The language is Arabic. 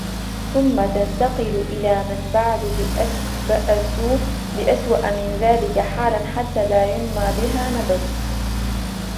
ثُمَّ تَنْتَقِلُ إلَى مَنْ بَعْدُ بِأَسْوَأَ مِنْ ذَلِكَ حَالًا حَتَّى لَا يُنْمَى بِهَا نَبْتٌ